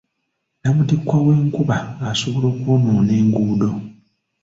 Nnamutikwa w'enkuba asobola okwonoona enguudo.